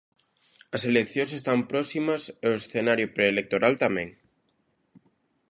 As eleccións están próximas e o escenario preelectoral, tamén.